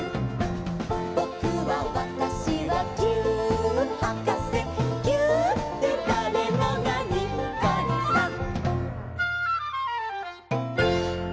「ぼくはわたしはぎゅーっはかせ」「ぎゅーっでだれもがにっこりさん！」